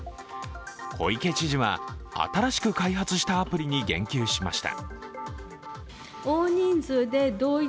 小池知事は新しく開発したアプリに言及しました。